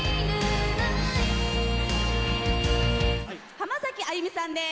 浜崎あゆみさんです。